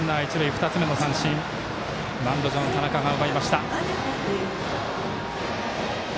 ２つ目の三振マウンド上の田中が奪いました。